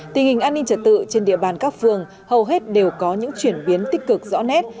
tình hình an ninh trật tự trên địa bàn các phường hầu hết đều có những chuyển biến tích cực rõ nét